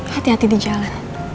hati hati di jalan